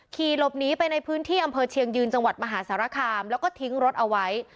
ขี่หลบหนีไปในพื้นที่อำเภอเชียงยืนจังหวัดมหาสารคามแล้วก็ทิ้งรถเอาไว้